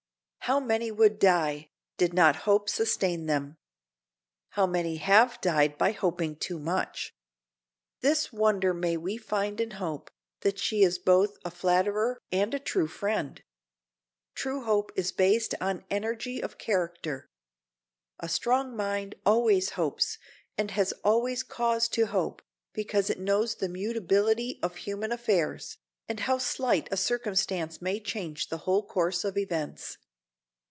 How many would die did not hope sustain them! How many have died by hoping too much! This wonder may we find in hope—that she is both a flatterer and a true friend. True hope is based on energy of character. A strong mind always hopes, and has always cause to hope, because it knows the mutability of human affairs, and how slight a circumstance may change the whole course of events.